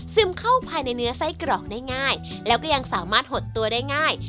เข้าภายในเนื้อไส้กรอกได้ง่ายแล้วก็ยังสามารถหดตัวได้ง่าย